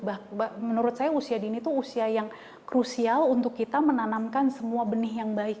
bahkan menurut saya usia dini itu usia yang krusial untuk kita menanamkan semua benih yang baik